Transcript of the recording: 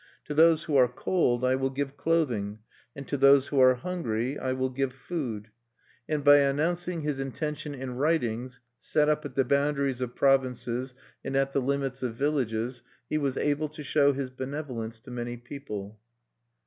To those who are cold I will give clothing, and to those who are hungry I will give food." And by announcing his intention in writings(7) set up at the boundaries of provinces and at the limits of villages, he was able to show his benevolence to many people.